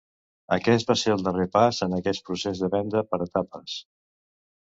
Aquest va ser el darrer pas en aquest procés de venda per etapes.